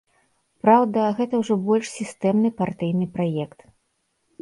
Праўда, гэта ўжо больш сістэмны партыйны праект.